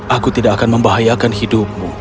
aku tidak akan membahayakan hidupmu